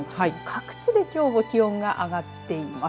各地できょうも気温が上がっています。